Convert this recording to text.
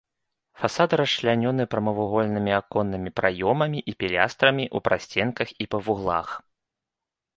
Фасады расчлянёны прамавугольнымі аконнымі праёмамі і пілястрамі ў прасценках і па вуглах.